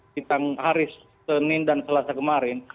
kita haris senin dan selasa kemarin